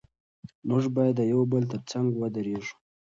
موږ باید د یو بل تر څنګ ودرېږو.